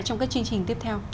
trong các chương trình tiếp theo